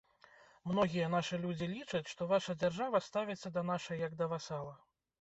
Многія нашы людзі лічаць, што ваша дзяржава ставіцца да нашай як да васала.